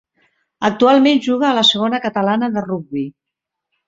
Actualment juga a la Segona Catalana de rugbi.